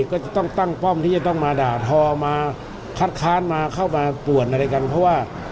ก็จะต้องตั้งป้อมที่จะต้องมาด่าทอมาคัดค้านมาเข้ามาป่วนอะไรกันเพราะว่า